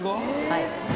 はい。